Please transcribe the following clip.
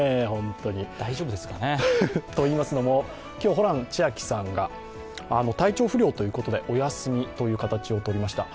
大丈夫ですかね。といいますのも今日ホラン千秋さんが体調不良ということでお休みという形をとりました。